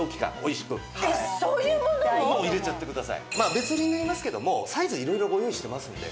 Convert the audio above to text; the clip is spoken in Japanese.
別売りになりますけどもサイズ色々ご用意してますので。